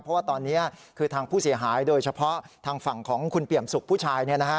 เพราะว่าตอนนี้คือทางผู้เสียหายโดยเฉพาะทางฝั่งของคุณเปี่ยมสุขผู้ชาย